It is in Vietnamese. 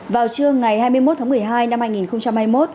vào trưa ngày hai mươi một tháng một mươi hai năm hai nghìn hai mươi một